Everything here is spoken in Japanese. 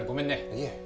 いえ。